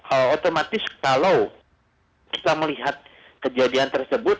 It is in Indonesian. otomatis kalau kita melihat kejadian tersebut